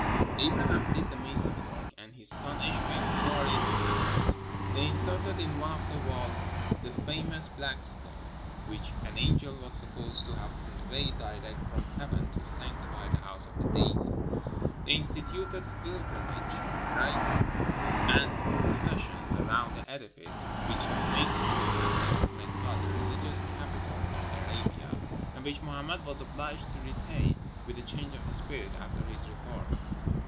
Abraham did the mason work, and his son Ishmael quarried the stones. They inserted in one of the walls the famous "black stone," which an angel was supposed to have conveyed direct from heaven to sanctify the house of the Deity. They instituted pil grimages, rites, and processions around the edifice, which have made subsequently of Mecca the religious capital 491 ARABIA of Arabia, and which Mohammed was obliged to re tain, with a change of spirit, after his reform.